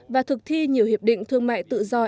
và thực thi nhiều hiệp định thương mại tự do